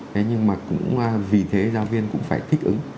thế nhưng mà cũng vì thế giáo viên cũng phải thích ứng